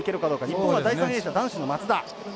日本は第３泳者、男子の松田。